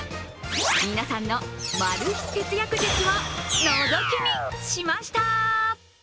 皆さんのマル秘節約術をのぞき見しました。